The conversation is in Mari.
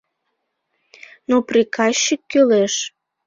Но приказчик кӱлеш.